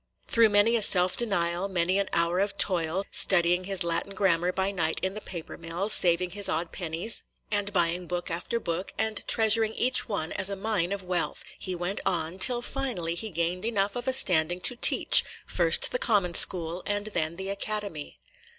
Through many a self denial, many an hour of toil, – studying his Latin grammar by night in the paper mill, saving his odd pennies, and buying book after book, and treasuring each one as a mine of wealth, – he went on, till finally he gained enough of a standing to teach, first the common school and then the Academy.